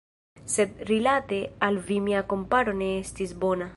Sed rilate al vi mia komparo ne estis bona.